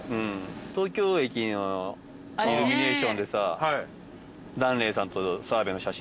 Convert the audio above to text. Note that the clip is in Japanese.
東京駅のイルミネーションでさ。